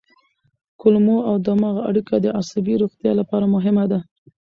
کولمو او دماغ اړیکه د عصبي روغتیا لپاره مهمه ده.